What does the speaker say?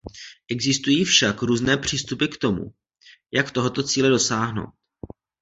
Existují však různé přístupy k tomu, jak tohoto cíle dosáhnout.